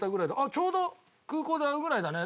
「ちょうど空港で会うぐらいだね」。